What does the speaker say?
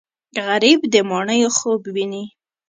غریب د ماڼیو خوب ویني